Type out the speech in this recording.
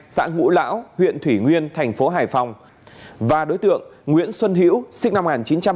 xã ngũ lão huyện thủy nguyên thành phố hải phòng và đối tượng nguyễn xuân hữu sinh năm một nghìn chín trăm tám mươi